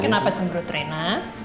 kenapa cemberut rena